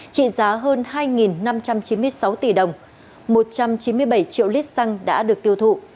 trị giá hơn hai năm trăm chín mươi sáu tỷ đồng một trăm chín mươi bảy triệu lít xăng đã được tiêu thụ